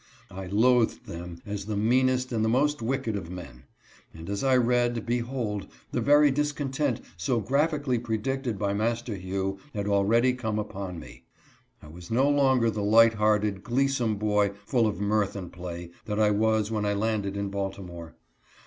I loathed them as the meanest and the most to slavery, wfclsedof ^ed of men. And as I read, behold ! the very discon tent so graphically predicted by Master Hugh had already come upon me. I was no longer the JLight hearted, glee some boy full of mirth and play, that I was when I landed in Baltimore.